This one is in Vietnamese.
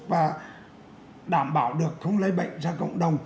và đảm bảo được không lây bệnh ra cộng đồng